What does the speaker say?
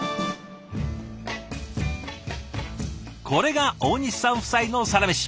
これが大西さん夫妻のサラメシ。